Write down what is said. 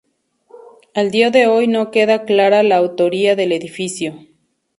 A día de hoy no queda clara la autoría del edificio.